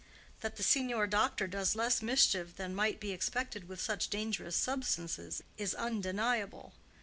That the signor doctor does less mischief than might be expected with such dangerous substances is undeniable.